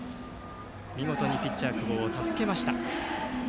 見事にピッチャー、久保を助けました。